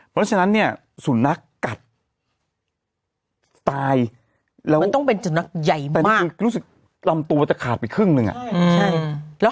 เพราะฉะนั้นสุนัขตายคือนักกรังแต่รวมตัวขาดอยู่ขึ้นขึ้นเลย